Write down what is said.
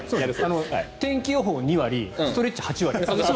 天気予報２割ストレッチ８割ですから。